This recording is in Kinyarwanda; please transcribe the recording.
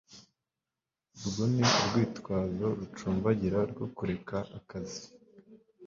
Urwo ni urwitwazo rucumbagira rwo kureka akazi